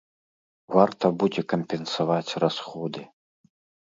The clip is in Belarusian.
Варта будзе кампенсаваць расходы.